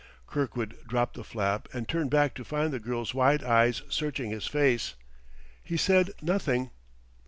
Kirkwood dropped the flap and turned back to find the girl's wide eyes searching his face. He said nothing.